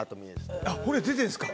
骨出てるんですか？